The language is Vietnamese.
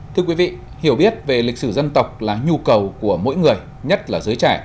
thưa quý vị hiểu biết về lịch sử dân tộc là nhu cầu của mỗi người nhất là giới trẻ